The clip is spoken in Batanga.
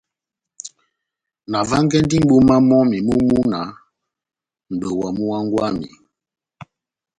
Navángɛndi mʼboma mɔ́mi mú múna nʼdowa mú hángwɛ wami.